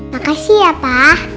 makasih ya pa